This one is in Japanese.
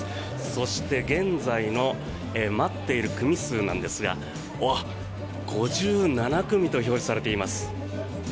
そして、現在の待っている組数なんですが５７組と表示されています。